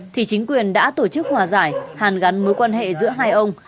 thì chính quyền đã tổ chức hòa giải hàn gắn mối quan hệ giữa hai ông